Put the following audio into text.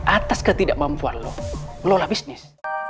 atas ketidakmampuan lo lo lah bisnis